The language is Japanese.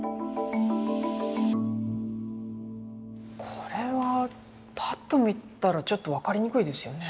これはぱっと見たらちょっと分かりにくいですよね。